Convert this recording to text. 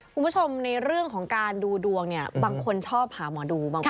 คุณผู้ชมในเรื่องของการดูดวงบางคนชอบหาหมอดู